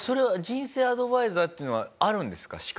人生アドバイザーっていうのはあるんですか？